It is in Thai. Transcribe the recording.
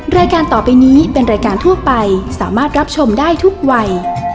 รายการต่อไปนี้เป็นรายการทั่วไปสามารถรับชมได้ทุกวัย